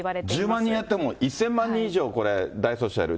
１０万人やっても、１０００万人以上大卒者いる。